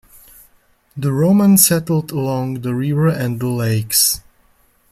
The Romans settled along the river and the lakes.